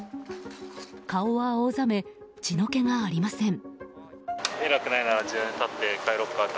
顔は青ざめ、血の気がありません。